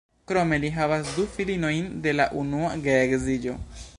Krome li havas du filinojn de la unua geedziĝo.